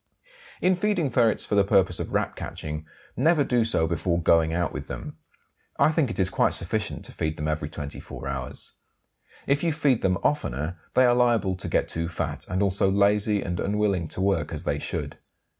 In feeding ferrets for the purpose of Rat catching, never do so before going out with them; I think it is quite sufficient to feed them every 24 hours. If you feed them oftener they are liable to get too fat, and also lazy and unwilling to work as they should.